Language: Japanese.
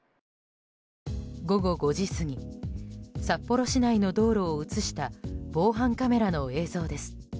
午後５時過ぎ札幌市内の道路を映した防犯カメラの映像です。